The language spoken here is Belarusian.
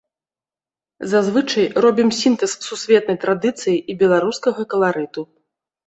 Зазвычай, робім сінтэз сусветнай традыцыі і беларускага каларыту.